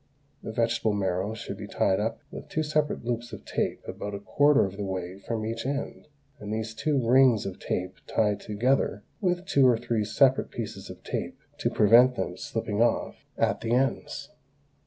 The vegetable marrow should be tied up with two separate loops of tape about a quarter of the way from each end, and these two rings of tape tied together with two or three separate pieces of tape to prevent them slipping off at the ends.